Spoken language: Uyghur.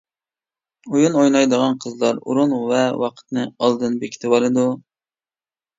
ئويۇن ئوينايدىغان قىزلار ئورۇن ۋە ۋاقىتنى ئالدىن بېكىتىۋالىدۇ.